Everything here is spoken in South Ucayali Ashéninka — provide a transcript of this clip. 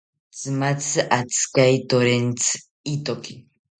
Tzimatzi atzikaitorentzi ithoki